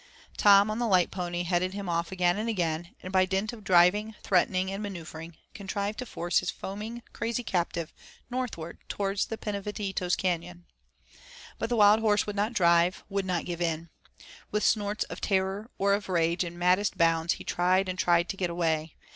Tom on the light pony headed him off again and again, and by dint of driving, threatening, and maneuvering, contrived to force his foaming, crazy captive northward toward the Pinavetitos Canyon. But the wild horse would not drive, would not give in. With snorts of terror or of rage and maddest bounds, he tried and tried to get away.